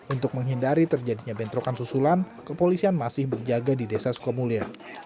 untuk menghindari terjadinya bentrokan susulan kepolisian masih berjaga di desa sukamulia